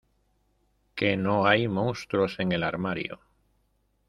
que no hay monstruos en el armario